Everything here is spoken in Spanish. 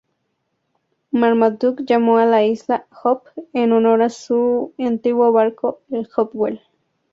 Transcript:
Marmaduke llamó a la isla "Hope" en honor de su antiguo barco, el "Hopewell".